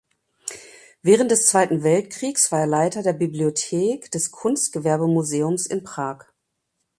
Während des Zweiten Weltkriegs war er Leiter der Bibliothek des Kunstgewerbemuseums in Prag.